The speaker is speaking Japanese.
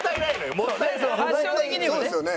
そうですよね。